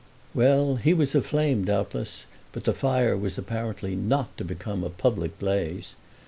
Well, he was aflame doubtless, but the fire was apparently not to become a public blaze.